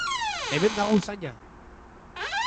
Hemen dago usaina!